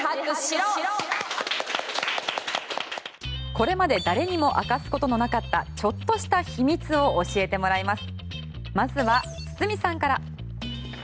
これまで誰にも明かすことのなかったちょっとした秘密を教えてもらいます。